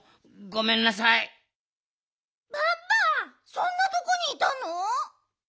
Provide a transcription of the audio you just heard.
そんなとこにいたの！？